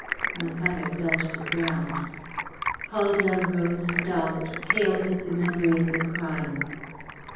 My father fell to the ground." Paul Delroze stopped, pale with the memory of the crime.